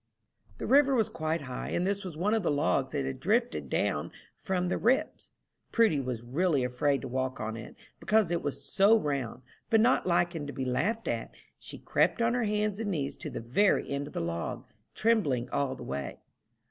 The river was quite high, and this was one of the logs that had drifted down from the "Rips." Prudy was really afraid to walk on it, because it was "so round," but not liking to be laughed at, she crept on her hands and knees to the very end of the log, trembling all the way.